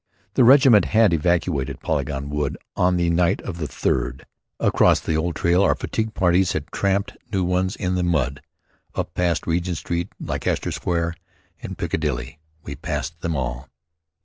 The regiment had evacuated Polygon Wood on the night of the third. Across the old trail our fatigue parties had tramped new ones in the mud, up past Regent Street, Leicester Square and Picadilly. We passed them all.